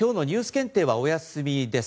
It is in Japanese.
検定はお休みです。